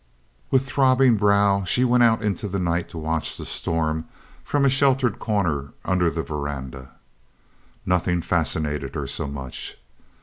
With throbbing brow she went out into the night to watch the storm, from a sheltered corner under the verandah. Nothing fascinated her so much.